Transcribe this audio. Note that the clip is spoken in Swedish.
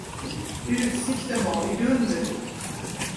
Utsikten var vidunderlig.